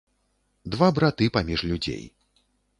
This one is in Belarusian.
Два браты паміж людзей.